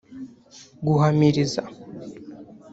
guhamiriza